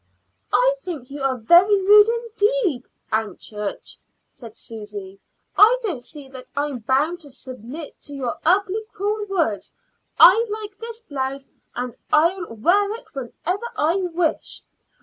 "I think you are very rude indeed, Aunt Church," said Susy. "I don't see that I'm bound to submit to your ugly, cruel words. I like this blouse, and I'll wear it whenever I wish."